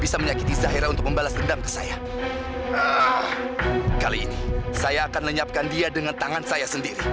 sampai jumpa di video selanjutnya